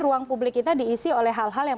ruang publik kita diisi oleh hal hal yang